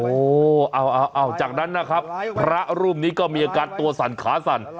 โอ้โหเอาจากนั้นนะครับพระรูปนี้ก็มีอาการตัวสั่นขาสั่น